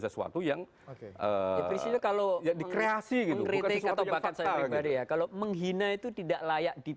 sesuatu yang hebrews kalau jadi kreasi gitu efek atau bahasanya kalau menghina itu tidak layak di